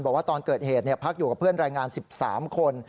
บอกว่าตอนเกิดเหตุพักอยู่กับเพื่อนรายงาน๑๓คน